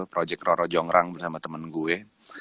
project roro jongrang bersama temen gue